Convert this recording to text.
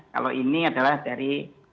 kalau ini adalah dari